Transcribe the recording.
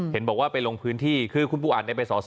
เห็นบอกว่าไปลงพื้นที่ค่ะ